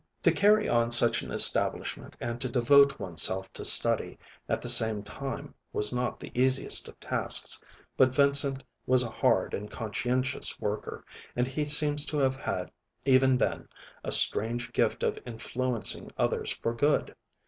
To carry on such an establishment and to devote oneself to study at the same time was not the easiest of tasks; but Vincent was a hard and conscientious worker, and he seems to have had, even then, a strange gift of influencing others for good.